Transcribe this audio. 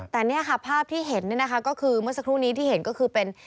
แต่นี่ภาพที่เห็นก็คือเมื่อสักครู่นี้ที่เห็นก็คือเป็น